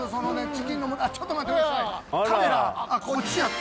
チキンのあっちょっと待ってください。